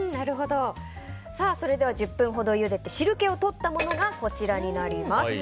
それでは１０分ほどゆでて汁気をとったものがこちらです。